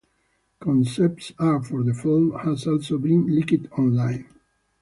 Concept art for the film has also been leaked online.